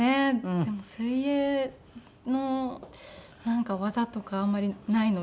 でも水泳の技とかあんまりないので。